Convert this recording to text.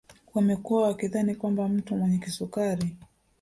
Wamekuwa wakidhani kwamba mtu mwenye kisukari